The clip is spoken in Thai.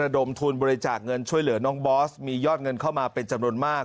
โดยเหลือน้องบอสมียอดเงินเข้ามาเป็นจำนวนมาก